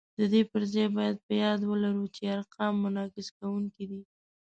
د دې پر ځای باید په یاد ولرو چې ارقام منعکس کوونکي دي